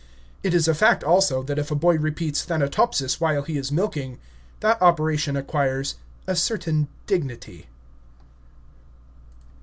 It is a fact, also, that if a boy repeats "Thanatopsis" while he is milking, that operation acquires a certain dignity.